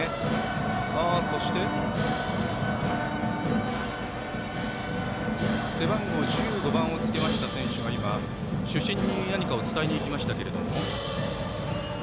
そして、背番号１５番をつけました選手が今、主審に何かを伝えにいきましたけれども。